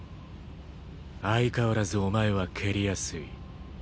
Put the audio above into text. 相変わらずお前は蹴りやすい。